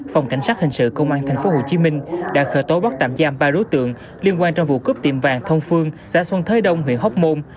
phòng cảnh sát hình sự công an tp hcm đã khởi tố bắt tạm giam ba đối tượng liên quan trong vụ cướp tiệm vàng thông phương xã xuân thới đông huyện hóc môn